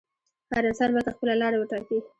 هر انسان باید خپله لاره وټاکي.